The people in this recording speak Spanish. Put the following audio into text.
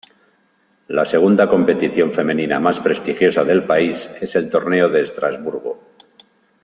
La segunda competición femenina más prestigiosa del país es el Torneo de Estrasburgo.